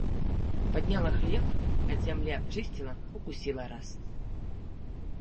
Падняла хлеб, ад зямлі абчысціла, укусіла раз.